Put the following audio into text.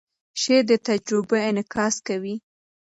شعر د تجربو انعکاس کوي.